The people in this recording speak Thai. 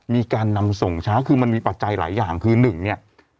มีการนำส่งช้าคือมันมีปัจจัยหลายอย่างคือหนึ่งเนี่ย